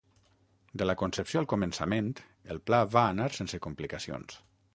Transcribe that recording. De la concepció al començament, el pla va anar sense complicacions.